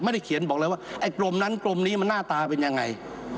ไม่ได้เขียนบอกเลยว่าไอ้กลมนั้นกลมนี้มันหน้าตาเป็นยังไง